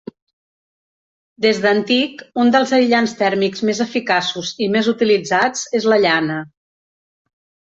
Des d'antic, un dels aïllants tèrmics més eficaços i més utilitzats és la llana.